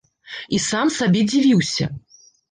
І сам сабе дзівіўся.